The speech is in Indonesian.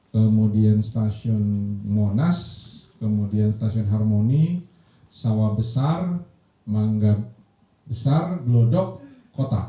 kemudian stasiun monas kemudian stasiun harmoni sawah besar mangga besar glodok kota